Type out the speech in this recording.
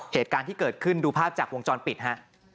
เหตุการณ์ที่เกิดขึ้นดูภาพจากวงจรปิดฮะ